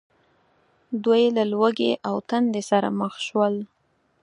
دوی له ولږې او تندې سره مخ شول.